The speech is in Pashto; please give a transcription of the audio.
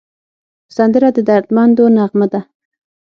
سندره د دردمندو نغمه ده